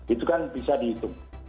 itu kan bisa dihitung